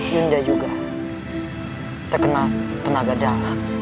yunda juga terkena tenaga dalam